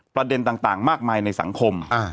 ประเด็นต่างมากมายในสังคม